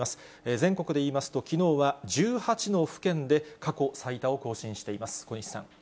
全国でいいますと、きのうは１８の府県で過去最多を更新しています。